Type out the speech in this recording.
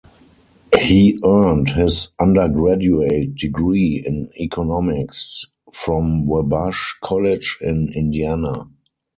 He earned his undergraduate degree in Economics, from Wabash College in Indiana.